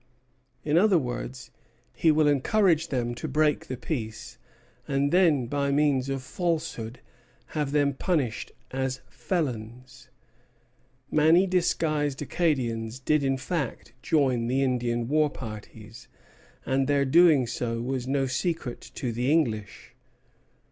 In other words, he will encourage them to break the peace; and then, by means of a falsehood, have them punished as felons. Many disguised Acadians did in fact join the Indian war parties; and their doing so was no secret to the English.